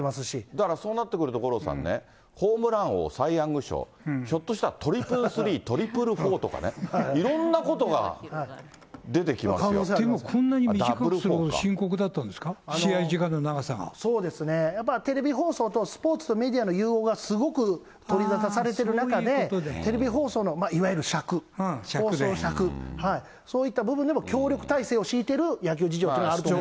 だからそうなってくると五郎さんね、ホームラン王、サイ・ヤング賞、ひょっとしたら、トリプルスリー、トリプルフォーとかね。こんなに短くするのが深刻だテレビ放送と、スポーツとメディアの融合が、すごく取り沙汰されてる中で、テレビ放送のいわゆる尺、放送尺、そういう部分でも協力体制を敷いてる野球事情があると思います。